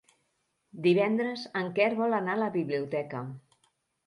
Divendres en Quer vol anar a la biblioteca.